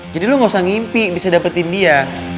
jadi lo gak usah ngimpi bisa dapetin dia